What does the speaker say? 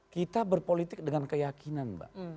kita berpolitik dengan keyakinan mbak